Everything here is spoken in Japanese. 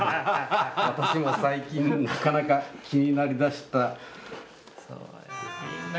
「私も最近なかなか気になりだした」。